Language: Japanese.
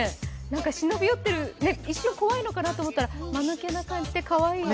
忍び寄ってる一瞬怖いのかなと思ったら、まぬけな感じでかわいいね。